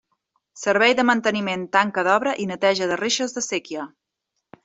Servei de manteniment tanca d'obra i neteja de reixes de séquia.